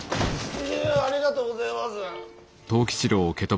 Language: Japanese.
うありがとうごぜます。